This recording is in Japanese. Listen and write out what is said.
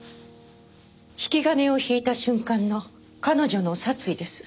引き金を引いた瞬間の彼女の殺意です。